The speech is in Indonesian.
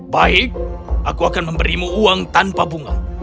baik aku akan memberimu uang tanpa bunga